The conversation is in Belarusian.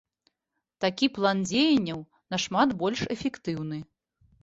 Такі план дзеянняў нашмат больш эфектыўны.